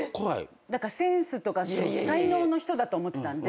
センスとか才能の人だと思ってたんで。